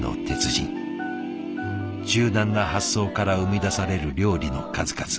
柔軟な発想から生み出される料理の数々。